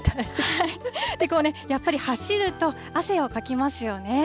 こうね、やっぱり走ると、汗をかきますよね。